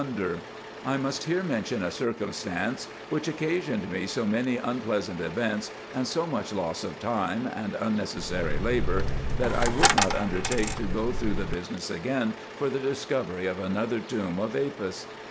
u2 148 RESEARCHES AND OPERATIONS I must here mention a circumstance, which occasioned me so many unpleasant events, and so much loss of time, and unnecessary labour, that I would not undertake to go through the business again for the discovery of another tomb of Apis.